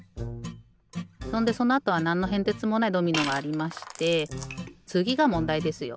そんでそのあとはなんのへんてつもないドミノがありましてつぎがもんだいですよ。